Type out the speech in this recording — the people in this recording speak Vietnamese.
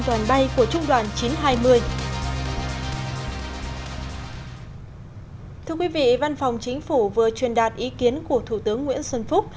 thưa quý vị văn phòng chính phủ vừa truyền đạt ý kiến của thủ tướng nguyễn xuân phúc